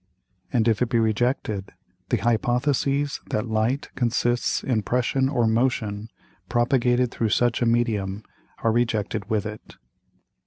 And if it be rejected, the Hypotheses that Light consists in Pression or Motion, propagated through such a Medium, are rejected with it.